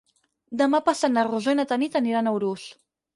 Demà passat na Rosó i na Tanit aniran a Urús.